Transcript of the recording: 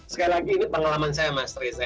sekali lagi ini pengalaman saya mas reza